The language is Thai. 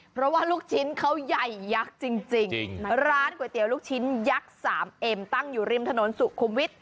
เพราะว่าลูกชิ้นเขาใหญ่ยักษ์จริงร้านก๋วยเตี๋ยวลูกชิ้นยักษ์สามเอ็มตั้งอยู่ริมถนนสุขุมวิทย